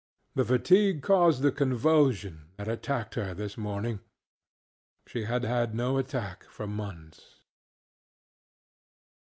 The fatigue caused the convulsion that attacked her this morning. She had had no attack for months.